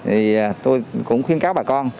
thì tôi cũng khuyên các bà con